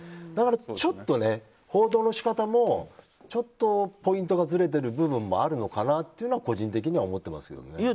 だから、ちょっと報道の仕方もちょっとポイントがずれてる部分もあるのかなとは個人的には思ってますけどね。